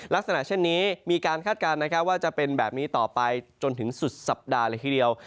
ลักษณะเช่นนี้มีการคาดการณ์นะครับว่าจะเป็นแบบนี้ต่อไปจนถึงสุดสัปดาห์เลยทีเดียว